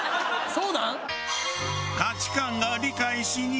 そうなん！？